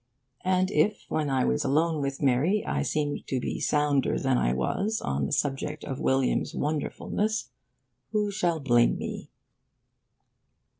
And if, when I was alone with Mary, I seemed to be sounder than I was on the subject of William's wonderfulness, who shall blame me?